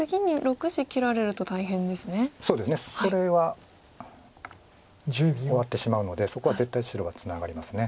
それは終わってしまうのでそこは絶対白がツナがります。